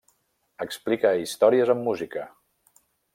Explica històries amb música.